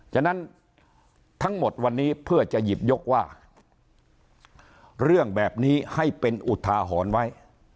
ฉะนั้นทั้งหมดวันนี้เพื่อจะหยิบยกว่าเรื่องแบบนี้ให้เป็นอุทาหรณ์ไว้